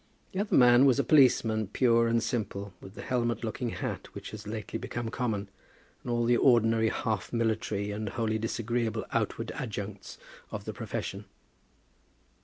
The other man was a policeman, pure and simple, with the helmet looking hat which has lately become common, and all the ordinary half military and wholly disagreeable outward adjuncts of the profession.